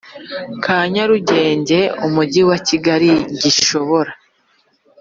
Ka nyarugenge umujyi wa kigali gishobora